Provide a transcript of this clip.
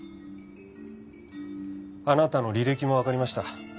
あなたの履歴もわかりました。